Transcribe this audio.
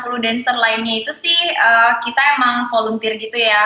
kalau persiapan enam puluh dancer lainnya itu sih kita emang volunteer gitu ya